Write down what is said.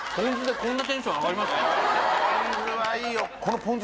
ポン酢はいいよ。